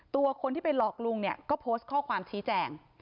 ตัวคนที่ไปหลอกลุงเนี่ยก็โพสต์ข้อความชี้แจง